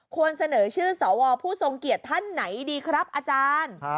เสนอชื่อสวผู้ทรงเกียรติท่านไหนดีครับอาจารย์